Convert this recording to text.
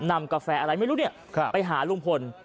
นำกาแฟอะไรไม่รู้นี่ไปหาลุงพล